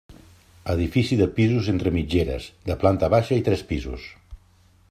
Edifici de pisos entre mitgeres, de planta baixa i tres pisos.